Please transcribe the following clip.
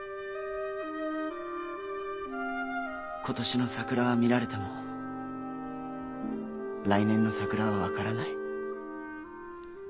今年の桜は見られても来年の桜は分からない。